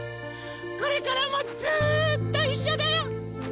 これからもずっといっしょだよ！